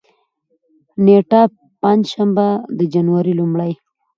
نېټه: پنجشنبه، د جنوري لومړۍ